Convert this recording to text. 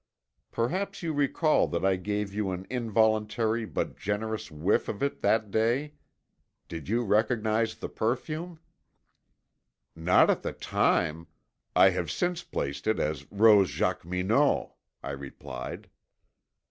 Perhaps you recall that I gave you an involuntary but generous whiff of it that day. Did you recognize the perfume?" "Not at the time. I have since placed it as Rose Jacqueminot," I replied.